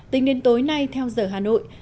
tính đến tối nay theo giờ hà nội